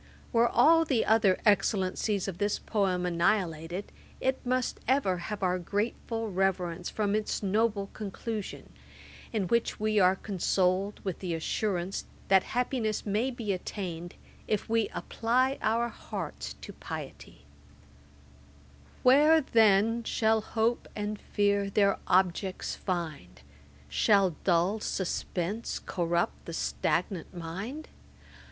[Page 195: The conclusion of Johnson's poem. Ætat 40.] Were all the other excellencies of this poem annihilated, it must ever have our grateful reverence from its noble conclusion; in which we are consoled with the assurance that happiness may be attained, if we 'apply our hearts' to piety: 'Where then shall hope and fear their objects find? Shall dull suspense corrupt the stagnant mind?